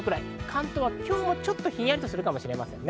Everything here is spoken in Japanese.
関東は今日ちょっとひんやりするかもしれません。